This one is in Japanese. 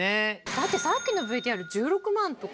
だってさっきのＶＴＲ１６万とか。